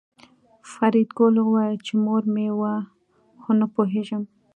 فریدګل وویل چې مور مې وه خو نه پوهېږم